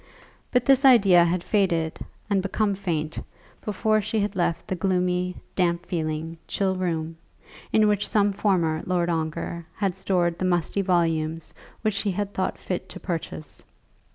But this idea had faded and become faint, before she had left the gloomy, damp feeling, chill room, in which some former Lord Ongar had stored the musty volumes which he had thought fit to purchase.